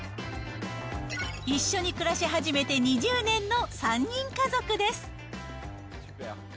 一緒に暮らし始めて２０年の３人家族です。